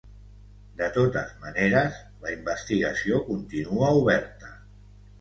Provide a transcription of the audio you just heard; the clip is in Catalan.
De totes maneres, la investigació continua oberta.